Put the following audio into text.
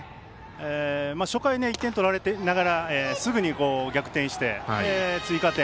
初回、１点取られながらすぐに逆転して追加点。